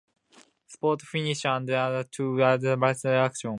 Sport fishing and navigation are two of the most frequent activities.